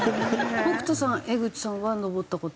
北斗さん江口さんは登った事。